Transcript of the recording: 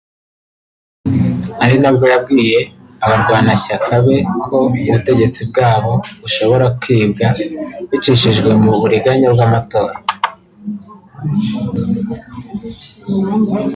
ari na bwo yabwiye abarwanashyaka be ko ubutegetsi bwabo bushobora kwibwa bicishijwe mu buriganya mu matora